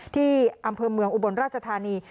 ที่อำเภอเมืองอุบลราชธานี